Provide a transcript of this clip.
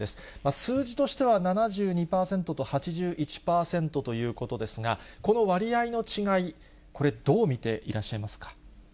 数字としては７２％と８１％ということですが、この割合の違い、これ、どう見ていらっしゃいますか。